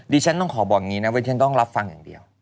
ฉันต้องขอบอกอย่างนี้นะว่าฉันต้องรับฟังอย่างเดียว